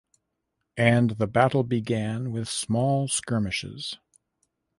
And the battle began with small skirmishes.